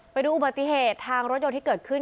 ไปดูอุบัติเหตุทางรถยนต์ที่เกิดขึ้น